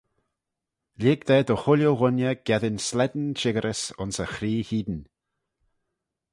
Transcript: Lhig da dy chooilley ghooinney geddyn slane shickyrys ayns e chree hene.